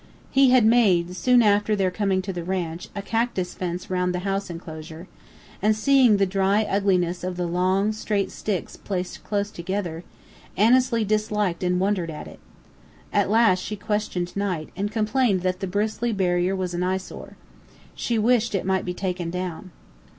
He had made, soon after their coming to the ranch, a cactus fence round the house enclosure; and seeing the dry ugliness of the long, straight sticks placed close together, Annesley disliked and wondered at it. At last she questioned Knight, and complained that the bristly barrier was an eyesore. She wished it might be taken down.